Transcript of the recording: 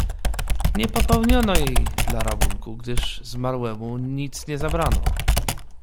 "Nie popełniono jej dla rabunku, gdyż zmarłemu nic nie zabrano."